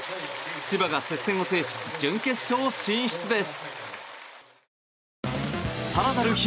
千葉が接戦を制し準決勝進出です。